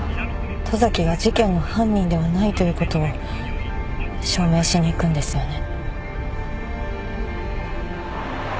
十崎が事件の犯人ではないということを証明しに行くんですよね。